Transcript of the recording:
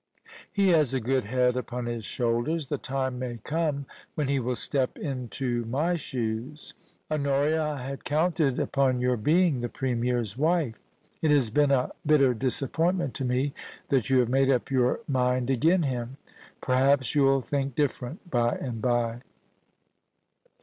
He has a good head upon his shoulders. The time may come when he will step into my shoes. Honoria, I had counted upon your being the Premier's wife. It has been a bitter disappointment to me that you have made up your mind agen him. Perhaps you'll think different by and by.'